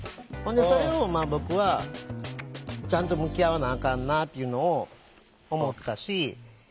ほんでそれをまあ僕はちゃんと向き合わなあかんなっていうのを思ったし。